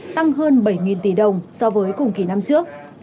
tăng hơn bảy tỷ đồng so với cùng kỳ năm trước